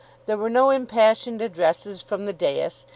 There were no impassioned addresses from the dais.